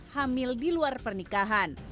hamil di luar pernikahan